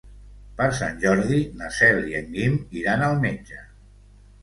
Per Sant Jordi na Cel i en Guim iran al metge.